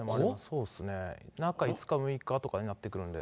そうですね、中５日、６日とかになってくるんで。